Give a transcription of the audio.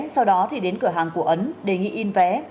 sau đó thì đến cửa hàng của ấn đề nghị in vé